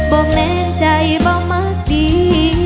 แม่งใจบ่มักดี